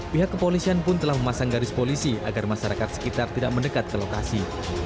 pihak kepolisian pun telah memasang garis polisi agar masyarakat sekitar tidak mendekat ke lokasi